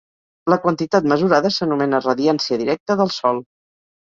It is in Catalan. La quantitat mesurada s'anomena radiància directa del sol.